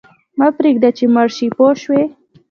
مه پرېږده چې مړ شې پوه شوې!.